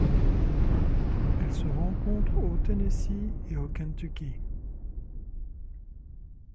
Elle se rencontre au Tennessee et au Kentucky.